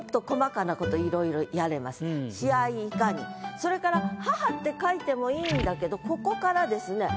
それから「母」って書いてもいいんだけどここからですね